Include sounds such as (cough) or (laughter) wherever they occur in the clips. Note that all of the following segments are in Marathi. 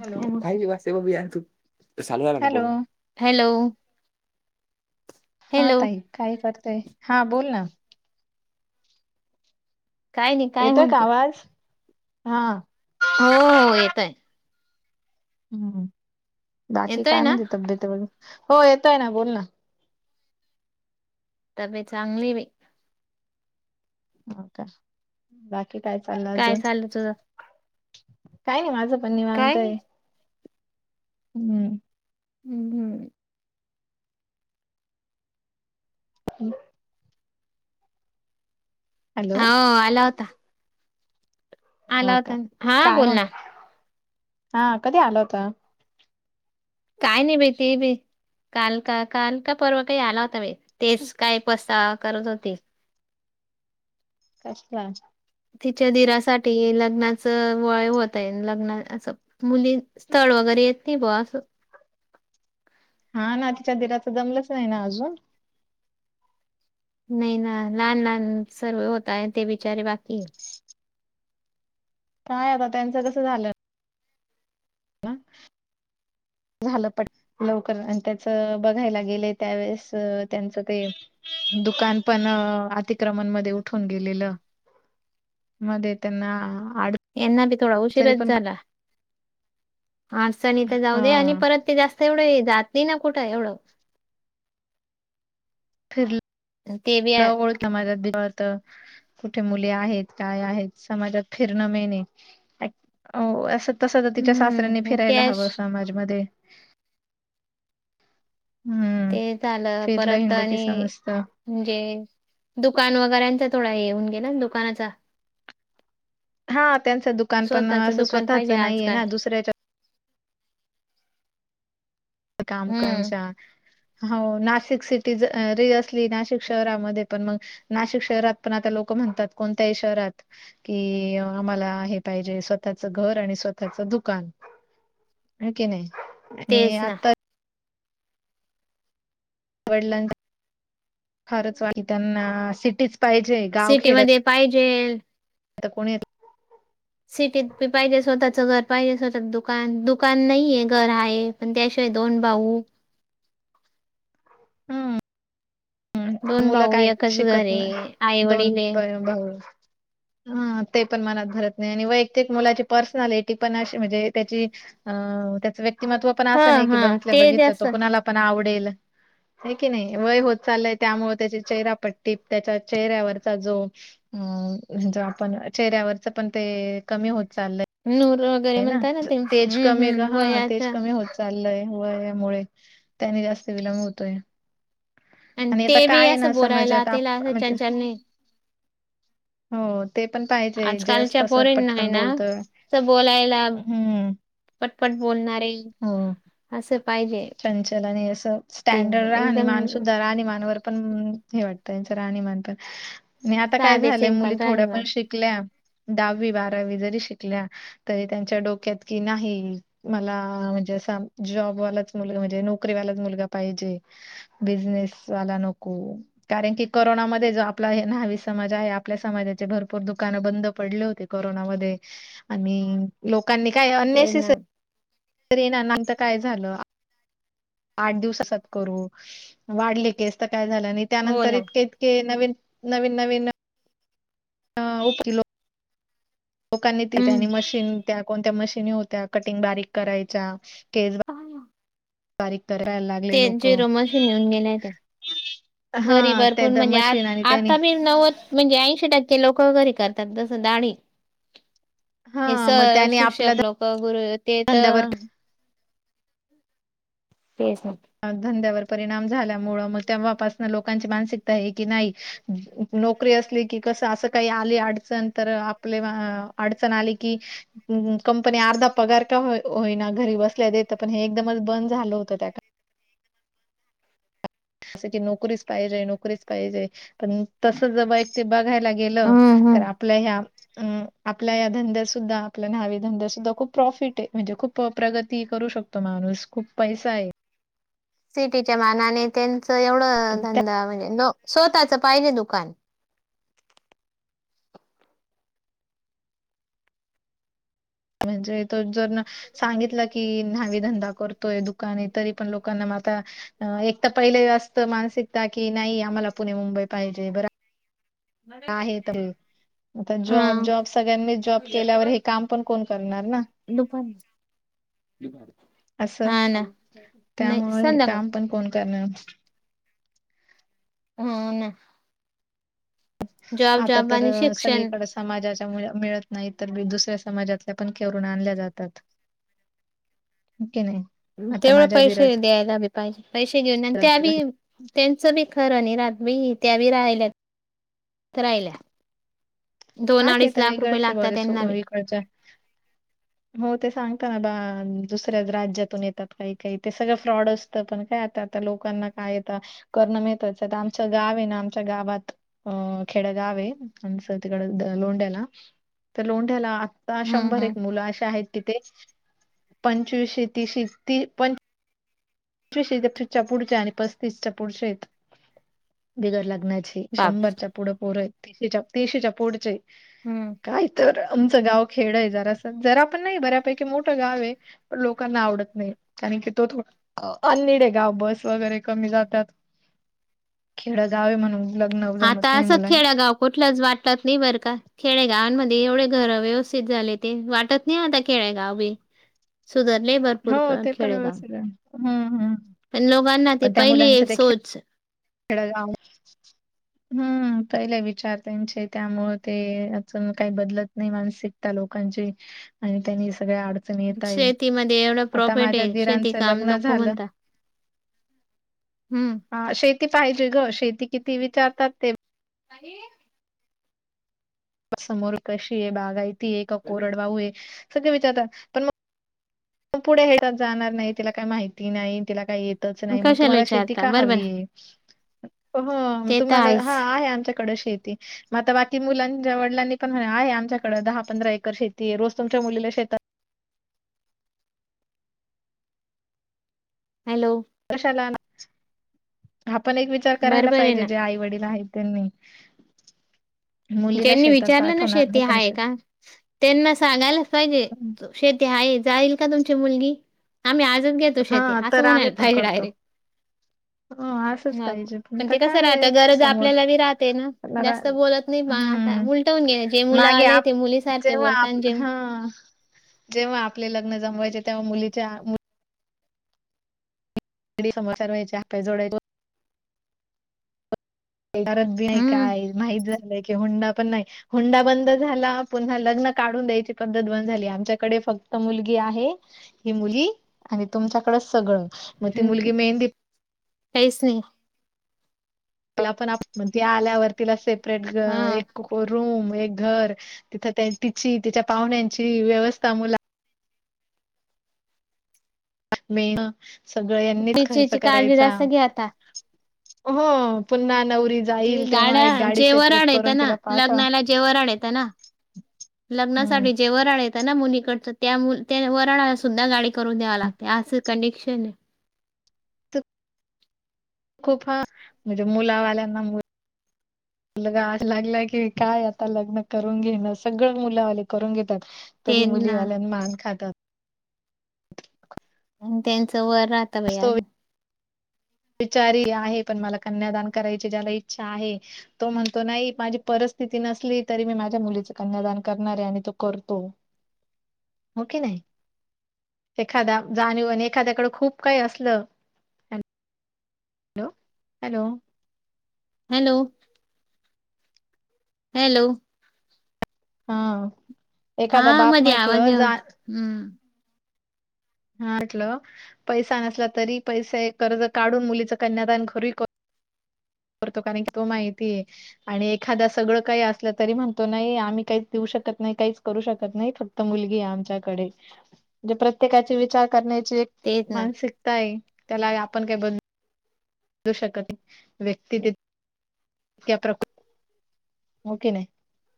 हॅलो नाही बस वा सेव बी तू चालू झाला ना हॅलो बोलण हॅलो. हा हॅलो ताई काय करताय हा बोलना काय नाही काय येतोय का म्हणते आवाज? हा हो हो येतोय. हम्म बाकी येतोय काय ना म्हणजे तब्येत वगैर हो येतोय ना बोलना तब्येत चांगलीय बाई. हो का बाकी काय चालय काय अजून? चाललं तुझं काही नाही माझं पण निवांत काय हाय नाही हम्म हम्म.. हम् (inaudible) हॅलो. हो आला होता. आला ह होता का हा काय बोल मग ना हा कधी आला होता? काय नाही भे ते बी काल का काल का पर्वा काही आला होता बाई तेच काय पसा करत होते. कष्ट (inaudible) तिच्या दिरासाठी लग्नाच वय होत आहे लग्नाचं अस मुली स्थळ वगैरे येत नाही बुवा असं. हा ना तिच्या दिराच जमलंच नाहीना अजून? नाही ना लहान, लहान सर्वे होताय ते बिचारे बाकीय. काय आता त्यांचं कसं झालं? झालं पण (unintelligible) लवकर आणि त्याच बघायला गेले त्यावेेळेस त्यांचं ते दुकान पण अ अतिक्रमणमध्ये उठून गेलेलं. मध्ये त्यांना आड. यांना बी थोडा उशीरच झाला आज त्यांनी तर खूप- जाऊ दे आणि हा परत ते जास्त. तेवढे जाती ना कुठं एवढं. ते बी फिरल आहे. ओळख ना माझ्या दीरवरत (unintelligible) कुठे मुले आहेत काय आहेत समाजात फिरणं मेणेय एक वो अस. तसं तर तिच्या सासऱ्यांनी हम्म फिरायला त्याश हवं समाजमध्ये. हम्म ते झालं फिरलं परत हिंडलं की आणि. समजतं म्हणजे दुकान वगैरांचा थोडा हे होऊन गेला दुकानाचा. हा त्यांचं दुकान पण स्वतःच असं दुकान स्वतःच पाहिजे नाहीये आजकाल. ना दुसऱ्याच्या. काम हम्म करायचे. हो नाशिक सिटी जरी रे असली नाशिक शहरामध्ये पण मग. नाशिक शहरात पण आता लोक म्हणतात कोणत्याही शहरात. कि आम्हाला हे पाहिजे स्वतःच घर आणि स्वतःच दुकान. ह कि नाही आणि तेच ना आता. वडिलां फारच वाट त्यांना सिटीच पाहिजे. गाव खेड्यात सिटीमध्ये पाहिजेल. आता कोणी येत. सिटीत भी पाहिजे स्वतःच घर पाहिजे स्वतःच दुकान दुकान नाहीये घर हाये. पण त्याशिवाय दोन भाऊ. हम. दोन मुलं भाऊ काय एकच घर शिकत आहे आई नाही दोन वडील आहे. ब भाऊ. ह ते पण मनात भरत नाही आणि वैयक्तिक मुलाची पर्सनलिटी पण अशी म्हणजे त्याची. अ त्याचं व्यक्तिमत्व. पण हा अस नाय की हा बघीतल्या ते बघितल्या जास्त तो कुणाला पण आवडेल हाय कि नाही वय होत. चाललंय त्यामुळ त्याची चेहरापट्टी त्याच्या चेहऱ्यावरचा जो. अ म्हणजे आपण चेहऱ्यावरच पण ते कमी होत चाललं. नूर वगैरे म्हणतात ना ते हम कमी हम हा तेज वयाचा. कमी होत चाललंय वयामुळे त्यानी जास्त विलंब होतोय. आणि आता ते बी काय ना असं बोलायला समजत आप त्याला असं म्हणजे चंचलने हो. ते पण पाहिजे आजकालच्या जास्त असं पोरींना आहे पटकन ना बोलतं तर बोलायला हम्म. पटपट बोलणारे हो असं पाहिजे. चंचल आणि असं ते स्टँडर्ड एकदम राहाणीमानसुध्दा आणि राहणीमानवर पण हे वाटतं यांचा राहणीमान पण आता काय साधे झालंय सिंपल मुली थोड्या राहणीमान पण शिक''--'' ल्या दहावी बारावी जरी शिकल्या. तरी त्यांच्या डोक्यात कि नाही मला म्हणजे अस जॉबवालाच. मुलगा म्हणजे नोकरी वाला मुलगा पाहिजे बिझनेस वाला नको. कारण की करोनामध्ये जो आपला हे न्हावी समाज आहे आपल्या समाजाचे भरपूर दुकानं बंद पडली होते. करोना मध्ये आणि. लोकांनी काय तेच ना अननेसेसरी (unintelligible) काय झालं आठ दिवसात करू वाढले केस तर काय झालं आणि हो त्यानंतर ना इतके. के नवीन नवीन नवीन न. अ (unintelligible) लोकांनी ते हम्म त्यानी मशीन त्या कोणत्या मशीनी होत्या कटिंग बारीक करायच्या केस. बारीक करायला ते लागले लोक. झिरो मशीन येऊन गेल्यात्यात. घरी हा भरपूर त्या म्हणे आ मशीन आणि त्यानी आता बी नवच म्हणजे ऐंशी टक्के लोकं घरी करतात तसं दाडी. हा हे मग सर त्यानी आपल्या शिक्षक लोकं गुरु ते तर धंद्यावर (unintelligible) धंद्यावर परिणाम झाल्यामुळं मग आपल्या तेव्हापासनं धंद्यावर लोकांची परिणाम मानसिकता आहे की झाल्यामुळं मग नाही तेव्हापासून लोकांची नोकरी मानसिकता असली आहे की नाही कसं असं काही आली नोकरी अडचण तर असली की कसं आपले असं काही आले अडचण आली की तर आपले कंपनी अडचण अर्धा पगार का हो होईना घरी कंपनी बसल्या अर्धा देतं, पण हे एकदमच बंद झालं होतं त्या का जसं की नोकरीच पाहिजे नोकरीच पाहिजे, पण तसं ज ब ते बघायला गेलं, हम्म हम्म तर आपल्या ह्या अ आपल्या या धंद्यात सुद्धा आपल्या न्हावी धंद्यात सुद्धा खूप प्रॉफिट आहे, म्हणजे खूप प्रगती करू शक तो माणूस खूप पैसा आहे. सिटीच्या मानाने त्यांचं एवढं धंदा म्हणजे नो स्वतःच पाहिजे दुकान. म्हणजे तोच जर ना सांगितलं की न्हावी धंदा करतोय दुकान हाय, तरी पण लोकांना मग आता एक तर पहिले असतं मानसिकता, की नाही आम्हाला पुणे मुंबई पाहिजे बर आहे तरी. आता हा जॉब जॉब सगळ्यांनी जॉब केल्यावर हे काम पण कोण करणार ना? (unintelligible) असं हा ना, नाही त्यामुळे हे संध्याकाळी. काम पण कोण करणार हो ना. जॉब आता जॉब तर आणि शिक्षण सगळीकडेच समाजाच्या मुल्या मिळत नाही तर दुसऱ्या समाजातल्या पण करुन आणल्या जातात. हो की नाय? तेवढं पैसे द्यायला बी पाहिजे, पैसे घेऊन आणि त्या लग्न झालं बी त्यांचं बी खरं नाई राहत बाई, त्या बी राहिल्या त राहिल्या. दोन अडीच लाख रुपये लागतात त्यांना बी. करच्या (inaudible) हो ते सांगता ना बा दुसऱ्या राज्यातून येतात काही काही, ते सगळं फ्रॉड अस तात, पण काय आता आता लोकांना काय आता, करणं मिळतच आता आमचं गाव आहे ना आमच्या गावात हम्म खेडं गाव आहे, आमचं ती द लोंढ्याला, तर लोंढ्याला आता हम्म शंभर हम्म एक मुलं अशे आहेत की ते पंचवीशे तिश ती पं (unintelligible) च्या पुढच्या आणि पस्तीसच्या पुढच्या हायत, बिगर लग्नाची ती, बाप शंभरच्या पुढं पोरं आहेत तिशीच्या तीशीेच्या पुढचे, हम्म. काय तर आमचं गाव खेड आहे जरासं, जरा पण नाही बऱ्यापैकी मोठं गाव आहे. पण लोकांना आवडत नाही, कारण की तो थोडा अ अननिड आहे गाव बस वगैरे कमी जातात, खेडं गाव आहे म्हणून. लग्नव आता जमत नाही असं मुलांचे. खेडेगाव कुठलंच वाटतात नाही बरं का. खेडेगावांमध्ये एवढे घरं व्यवस्थित झाले ते, वाटत नाही आता खेडेगाव आहे. सुधरलंय भरपूर हो क ते पण खेडेगाव. व्यवस्थित आहे. हम्म हम्म. पण लोकांना ते पहिली सोच खेडं गाव हम्म पहीले विचार त्यांचे त्यामुळे ते अजून काही बदलत नाही मानसिक त्या लोकांचे आणि त्यांनी सगळ्या आड शेतीमध्ये एवढ प्रॉफिट आहे. शेती दिरांचं काम लग्न नको झालं. म्हणता. हम्म ह शेती पाहिजे ग. शेती किती विचारतात ते. (unintelligible) समोर कशी आहे. बागायती आहे का कोरडवाहू आहे. सगळे विचारतात. पण मग पुढे शेतात जाणार नाही. तिला काही माहिती नाही. तिला काय येतच नाही. मग कशाला तुम्हाला शेती विचारता का बरोबर हवी आहे. हो ते तर तुम्हाला आहेच. हा आहे आमच्याकडे शेती. मग आता बाकी मुलांच्या वडिलांनी पण म्हणे आहे आमच्याकड दहा पंधरा एकर शेती आहे. रोज तुमच्या मुलीला शेतात हॅलो कशाला आलात. हा पण एक विचार करायला बरोबर आहे पाहिजे ना. जे आई वडील आहेत. त्यांनी मुलीला ज्यांनी शेतात विचारलं ना, पाठवणार शेती नाही पण हाय का? त्यांना सांगायलाच पाहिजे शेतात शेती आहे. जाईल का तुमची मुलगी. आम्ही आजच घेतो हा शेती. अस तर आम्ही म्हणायला पण पाहिजे करतो डायरेक्ट. हो असंच मग पाहिजे पण तर ते कस काय राहत आहे गरज समोर आपल्याला बी राहते ना. जास्त बोलत नाही आता हम्म उलट होवून गेल जे मुल वाले आहेत ते मुली सारखे बोलता. आणि जे ह जेव्हा आपले लग्न जमयचे तेव्हा मुलीच्या मुली हात पाय जोडायचो. करत बी नाही हम्म काय माहित झालय की हुंडा पण नाही हुंडा बंद झाला. पुन्हा लग्न काढून द्यायची पद्धत बंद झाली. आमच्याकडे फक्त मुलगी आहे. ही मुली आणि तुमच्याकडच सगळ. हन त काईस नाही तीला पण आप ती आल्यावर तिला सेपरेट ग हा एक रूम एक घर तिथ तिची तिच्या पाहुण्याची व्यवस्था मुला मे सगळ यांनीच खर्च तिची काळजी करायचा. जास्त घ्या आता. हो पुन्हा नवरी जे जाईल तेव्हा गाड्या एक गाडी जे सेपरेट वराड येत करून ना तिला पाठवा. लग्नाला जे वराड येत ना हम्म लग्नासाठी जे वराड येत ना मुलीकडच त्या मु त्या वराडाला सुद्धा गाडी करून द्यावी लागते. अस कंडिशन आहे. तू खूप ह म्हणजे मुलावाल्यांना मु (inaudible) ला लागला की काय आता लग्न करून घेण सगळ मुलावाले करून घेतात. तरी त्यांना मुलीवाल्यां मान खात आणि त्यांच वर राहत बयी तो अजुन. विचारी आहे पण मला कन्यादान करायची ज्याला इच्छा आहे तो म्हणतो नाही माझी परिस्थिती नसली तरी मी माझ्या मुलीच कन्यादान करणार आहे. आणि तो करतो. (inaudible) हो कि नाही, एखाद्या जाणीव आणि एखाद्याकडे खूप काही असल हॅलो हॅलो हॅलो हॅलो हा हा एखादा बाप मध्ये आवाज म्हटल येऊ जा हम्म हा म्हटलं पैसा नसला तरी पैसे कर्ज काढून मुलीच कन्यादान घर करतो कारण की तो माहितीय आहे. आणि एखाद सगळं काही असलं तरी म्हणतो नाही आम्ही काहीच देऊ शकत नाही काहीच करू शकत नाही. फक्त मुलगी आमच्याकडे म्हणे प्रत्येकाचे विचार करण्याची तेच ना मानसिकताय त्याला आपण काय ब शकत व्यक्तीकृ हो कि नाही (unintelligible)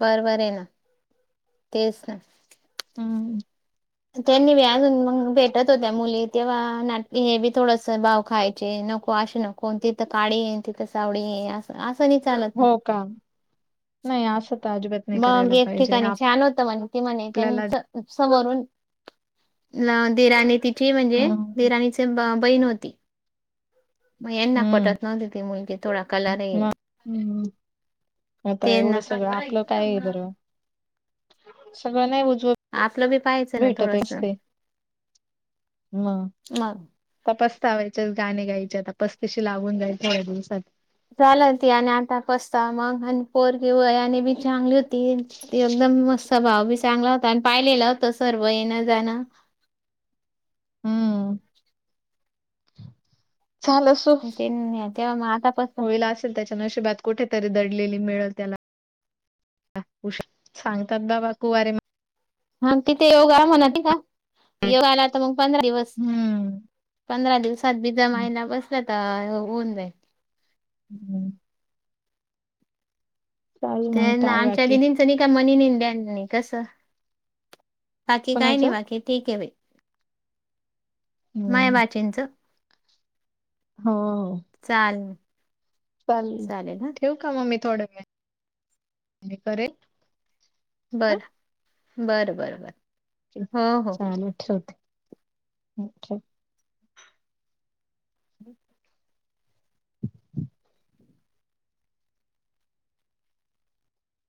बर बर आहेना तेचना हम्म. त्यांनी बी अजून मग भेटत होत्या मुली तेव्हा नाट हे बी थोडस भाव खायचे नको असे नको कोणती तिथ काळी येन तिथं सावळी आहे अस असां बी चालत ना. हो का नाही असं तर अजिबात नाही मग करायला एक पाहिजे ठिकाणी छान होत म्हणे ती म्हणे आपल्याला त्यांच समरून देरानी ती ती म्हणजे हम्म देराणीची बहीण होती मग यांना हम्म पटत नव्हती ती मुलगी थोडा कलर ये मग हम्म आता एवढं सगळं आपलं काय आहे, बर सगळं नाही उजव आपलं बी पाहायचं ना थोडस मग तपस्तावायच्या गाणे गायच्या आता पस्तशी लागून जाईल थोड्या दिवसात. झाल ते आणि आता पसतावा मागुन आणि पोरगी वयाने बी चांगली हो ती ती एकदम मस्त भाव बी चांगला होता आणि पाहिलेलं होत सर्व येण जाण हम्म चालल ते तेव्हा मग आता पस असेल त्याच्या नशिबात कुठेतरी दडलेली मिळेल त्याला सांगतात बाबा कुवारे म हा तिथे योगा म्हणाते का योगाला आता मग पंधरा दिवस हम्म पंधरा दिवसात बि दिवसात जमायला बसल तर होऊन जाईल. हम्म. चालेल ते मग न काय आमच्या बाकी दीदीच का मनी नाही, ध्यानी नाही कस बाकी काय नाही कोणाचं बाकी ठीक आहे बाई माय हम्म म्याचींच हो.. चालेल. चालल म हा ठेवु का मग मी थोड वेळानी करेल. हा बर, बर, बर, बर. चल चालेल ठेवते अ ठेव. बम (inaudible)